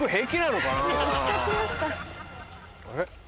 あれ？